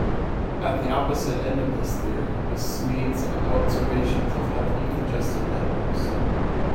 At the opposite end of this theory was Smeed's observations of heavily congested networks.